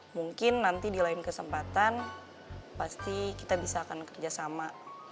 mungkin nanti di lain kesempatan pasti kita bisa akan kerjasama